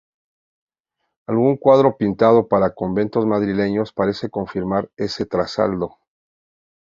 Algún cuadro pintado para conventos madrileños parece confirmar ese traslado.